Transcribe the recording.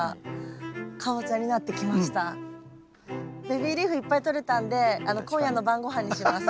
ベビーリーフいっぱいとれたんで今夜の晩ごはんにします。